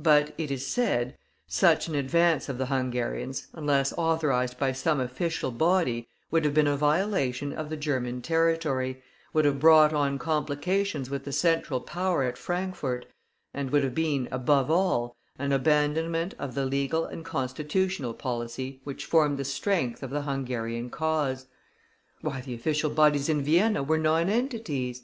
But, it is said, such an advance of the Hungarians, unless authorized by some official body, would have been a violation of the German territory, would have brought on complications with the central power at Frankfort, and would have been, above all, an abandonment of the legal and constitutional policy which formed the strength of the Hungarian cause. Why, the official bodies in Vienna were nonentities!